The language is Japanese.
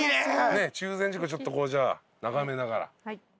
中禅寺湖ちょっとじゃあ眺めながら。